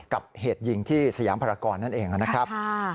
กับเหตุยิงที่สยามพรากรนั่นเองนะครับ